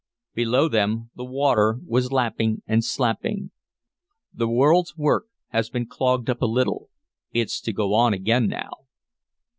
Below them the water was lapping and slapping. "The world's work has been clogged up a little. It's to go on again now."